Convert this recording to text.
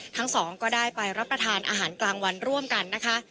สองก็ได้ไปรับประทานอาหารกลางวันร่วมกันนะคะ